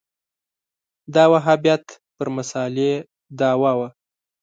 دا وهابیت پر مسألې دعوا وه